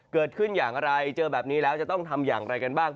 เกิดขึ้นอย่างไรเจอแบบนี้แล้วจะต้องทำอย่างไรกันบ้าง